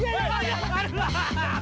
tidak bos tidak ada